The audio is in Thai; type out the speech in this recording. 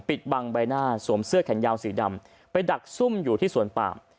ปิดบังใบหน้าสวมเสื้อแขนยาวสีดำไปดักซุ่มอยู่ที่สวนปาม